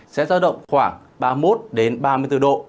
sẽ ra động khoảng ba mươi một đến ba mươi bốn độ